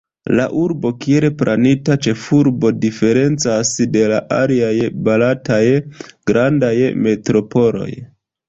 La urbo, kiel planita ĉefurbo, diferencas de la aliaj barataj grandaj metropoloj.